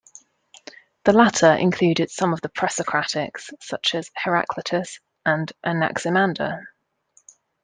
The latter included some of the Presocratics, such as Heraclitus and Anaximander.